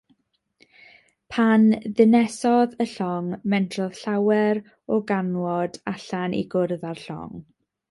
Pan ddynesodd y llong, mentrodd llawer o ganŵod allan i gwrdd â'r llong.